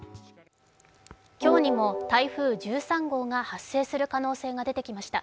今日にも台風１３号が発生する可能性が出てきました。